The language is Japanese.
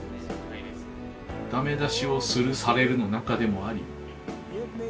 ダメ出しをするされるの仲でもありまあ